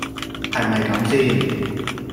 係咪咁先